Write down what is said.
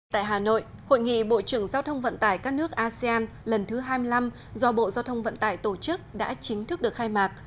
tại hà nội hội nghị bộ trưởng giao thông vận tải các nước asean lần thứ hai mươi năm do bộ giao thông vận tải tổ chức đã chính thức được khai mạc